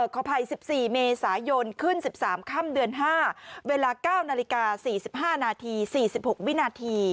ขออภัย๑๔เมษายนขึ้น๑๓ค่ำเดือน๕เวลา๙นาฬิกา๔๕นาที๔๖วินาที